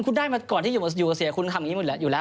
คุณได้มาก่อนที่อยู่ก่อต่อกรสเติมคุณอยู่แล้วหรือ